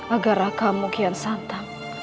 agar raka kian santan